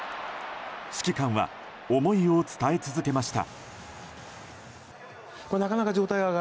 指揮官は思いを伝え続けました。